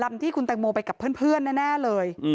ที่คุณแตงโมไปกับเพื่อนแน่เลย